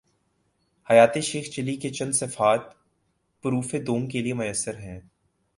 حیات شیخ چلی کے چند صفحات پروف دوم کے لیے میسر ہیں۔